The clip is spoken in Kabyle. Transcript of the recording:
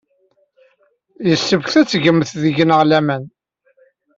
Yessefk ad tgemt deg-neɣ laman.